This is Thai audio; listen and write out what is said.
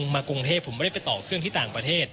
มากรุงเทพผมไม่ได้ไปต่อเครื่องที่ต่างประเทศ